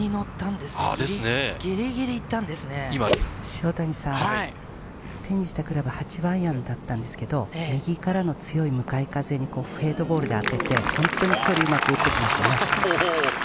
塩谷さん、手にしたクラブ、８番アイアンだったんですけれども、右からの強い向かい風にフェードボールで当てて、本当に距離うまく打ってきましたね。